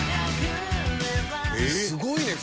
「すごいね」